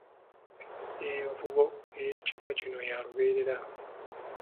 Envumbo ey'ekika kino ya lubeerera.